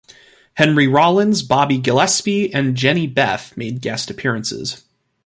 Henry Rollins, Bobby Gillespie and Jehnny Beth made guest appearances.